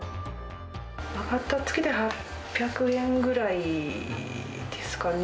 上がった月で８００円ぐらいですかね。